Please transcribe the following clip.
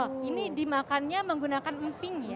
oh ini dimakannya menggunakan emping ya